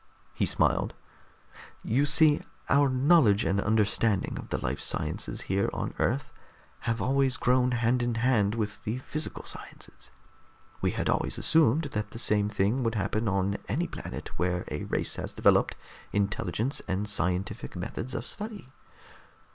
He smiled. "You see, our knowledge and understanding of the life sciences here on Earth have always grown hand in hand with the physical sciences. We had always assumed that the same thing would happen on any planet where a race has developed intelligence and scientific methods of study.